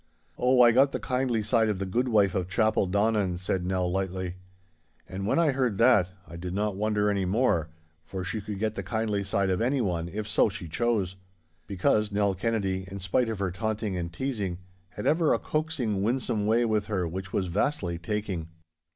'Oh, I got the kindly side of the goodwife of Chapeldonnan,' said Nell, lightly. And when I heard that, I did not wonder any more, for she could get the kindly side of anyone, if so she chose. Because Nell Kennedy, in spite of her taunting and teasing, had ever a coaxing, winsome way with her which was vastly taking.